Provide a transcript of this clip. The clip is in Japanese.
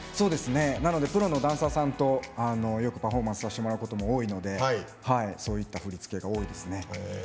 プロのダンサーさんとよくパフォーマンスさせてもらうことも多いのでそういった振り付けが多いですね。